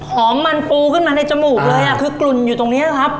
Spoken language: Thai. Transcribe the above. หอมมันปูขึ้นมาในจมูกเลยอ่ะคือกลุ่นอยู่ตรงนี้ครับ